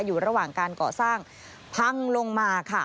อยู่ระหว่างการก่อสร้างพังลงมาค่ะ